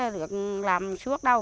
mình làm suốt đâu